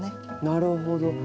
なるほど。